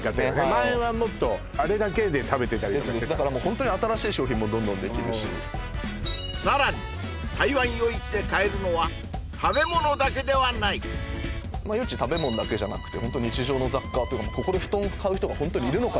前はもっとあれだけで食べてたりだからもうホントに新しい商品もどんどんできるしさらに台湾夜市で買えるのは食べ物だけではない夜市食べ物だけじゃなくてホント日常の雑貨とかもここで布団を買う人がホントにいるのか？